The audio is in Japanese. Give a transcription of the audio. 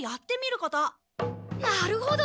なるほど！